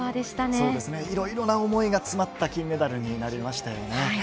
そうですね、いろいろな思いが詰まった金メダルになりましたよね。